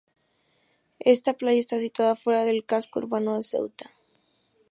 Esta playa está situada fuera del casco urbano de Ceuta.